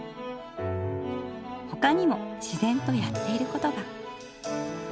ほかにも自然とやっていることが。